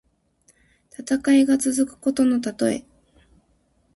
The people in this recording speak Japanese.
戦いが続くことのたとえ。